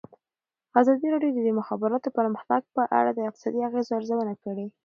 ازادي راډیو د د مخابراتو پرمختګ په اړه د اقتصادي اغېزو ارزونه کړې.